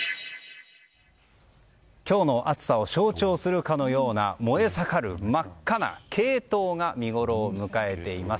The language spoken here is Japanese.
今日の暑さを象徴するかのような燃え盛る真っ赤なケイトウが見ごろを迎えています。